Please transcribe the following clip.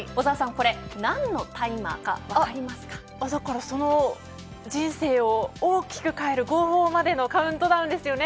これなんのタイマーかまさかその人生を大きく変える号砲までのカウントダウンですね。